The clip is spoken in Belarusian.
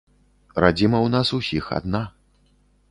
Радзіма ў нас усіх адна.